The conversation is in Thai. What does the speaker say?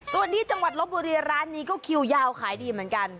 ส่วนที่จังหวัดลบบุรีร้านนี้ก็คิวยาวขายดีเหมือนกัน